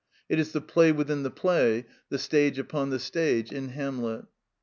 It is the play within the play, the stage upon the stage in "Hamlet."